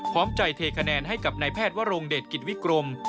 พร้อมใจเทคะแนนให้กับนายแพทย์วรงเดชกิจวิกรม